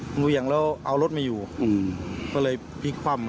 เหวี่ยงแล้วเอารถไม่อยู่ก็เลยพลิกคว่ำ